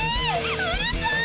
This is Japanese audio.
うるさい！